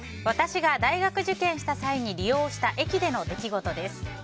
私が大学受験した際に利用した駅での出来事です。